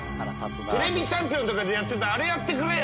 テレビチャンピオンとかでやってたあれやってくれよ。